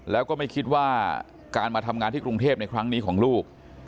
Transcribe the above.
แล้วก็ไม่คิดว่าการมาทำงานที่กรุงเทพในครั้งนี้ของลูก